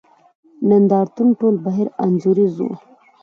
نند ارتون ټول بهیر انځوریز وو.